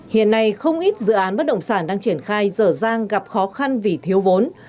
hiện nay không ít dự án bất động sản đang triển khai dở dang gặp khó khăn vì thiếu vốn